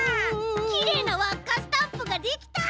きれいなわっかスタンプができた！